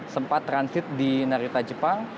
sempat transit di narita jepang